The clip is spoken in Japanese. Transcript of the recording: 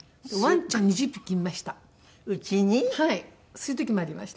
そういう時もありました。